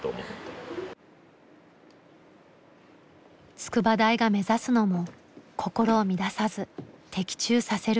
筑波大が目指すのも心を乱さず的中させる弓道。